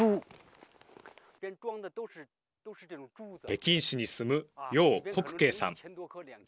北京市に住む楊国慶さん。